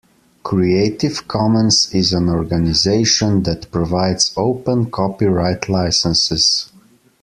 Creative Commons is an organisation that provides open copyright licences